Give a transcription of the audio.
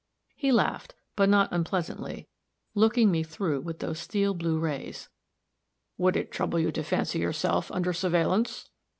He laughed, but not unpleasantly, looking me through with those steel blue rays: "Would it trouble you to fancy yourself under surveillance?"